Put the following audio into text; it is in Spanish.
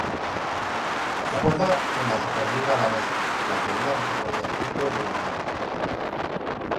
Juega en la superliga danesa, la primera categoría de fútbol de Dinamarca.